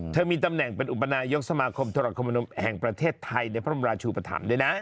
มีตำแหน่งเป็นอุปนายกสมาคมธรคมนมแห่งประเทศไทยในพระบรมราชูปธรรมด้วยนะ